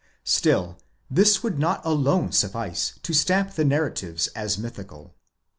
Still this would not alone suffice to stamp the narratives as mythical.